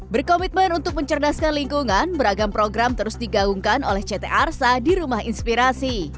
berkomitmen untuk mencerdaskan lingkungan beragam program terus digaungkan oleh ct arsa di rumah inspirasi